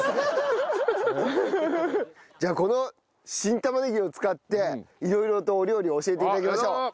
じゃあこの新玉ねぎを使って色々とお料理を教えて頂きましょう。